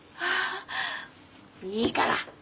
いいから。